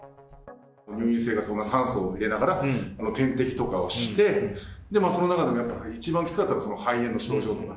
入院生活は酸素を入れながら、点滴とかをして、その中でもやっぱ一番きつかったのがその肺炎の症状とか。